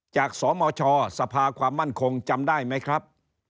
สมชสภาความมั่นคงจำได้ไหมครับ